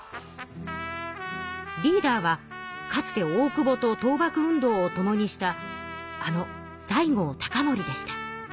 リーダーはかつて大久保と倒幕運動をともにしたあの西郷隆盛でした。